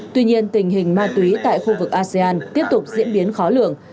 tuy nhiên tình hình ma túy tại khu vực asean tiếp tục diễn biến khó lường